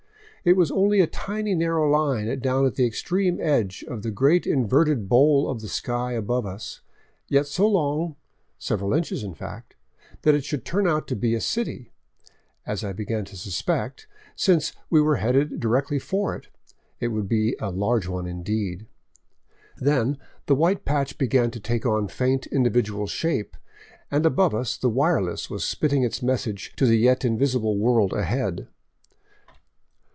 It was only a tiny narrow line down at the extreme edge of the great inverted bowl of sky above us, yet so long — several inches, in fact — that should it turn out to be a city, as I began to suspect, since we were headed directly for it, it would be a large one indeed. Then the white patch began to take on faint individual shape, and above us the wireless was spitting its message to the yet invisible world ahead.